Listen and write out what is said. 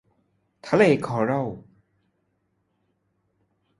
ทะเลคอรัล